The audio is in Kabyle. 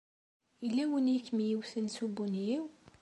Yella win ay kem-iwten s ubunyiw?